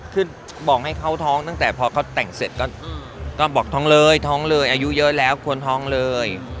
คือบอกให้เขาท้องตั้งแต่พอเขาแต่งเสร็จก็บอกท้องเลยท้องเลยอายุเยอะแล้วควรท้องเลย